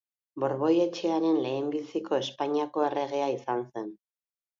Borboi etxearen lehenbiziko Espainiako erregea izan zen.